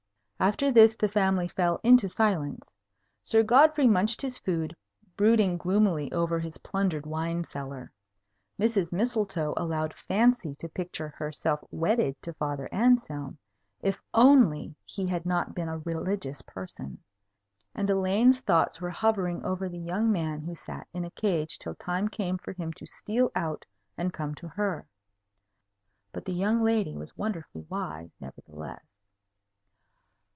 After this the family fell into silence. Sir Godfrey munched his food, brooding gloomily over his plundered wine cellar; Mrs. Mistletoe allowed fancy to picture herself wedded to Father Anselm, if only he had not been a religious person; and Elaine's thoughts were hovering over the young man who sat in a cage till time came for him to steal out and come to her. But the young lady was wonderfully wise, nevertheless.